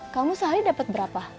kamu sehari dapet berapa